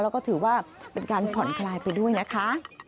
แล้วก็ถือว่าเป็นการผ่อนคลายไปด้วยนะคะ